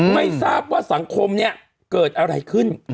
ไม่ทราบว่าสังคมเนี่ยเกิดอะไรขึ้น